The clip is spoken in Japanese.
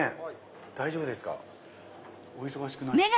大丈夫ですかお忙しくないですか。